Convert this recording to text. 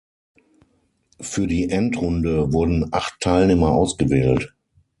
Für die Endrunde wurden acht Teilnehmer ausgewählt.